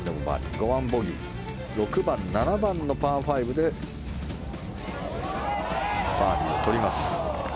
５番ボギー６番、７番のパー５でバーディーを取ります。